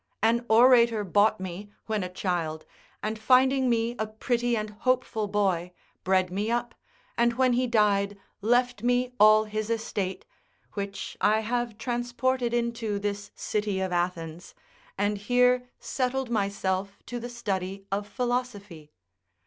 An orator bought me, when a child, and finding me a pretty and hopeful boy, bred me up, and when he died left me all his estate, which I have transported into this city of Athens, and here settled myself to the study of philosophy.